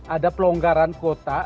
ada pelonggaran kuota